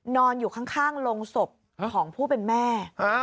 นอนอยู่ข้างโรงศพของผู้เป็นแม่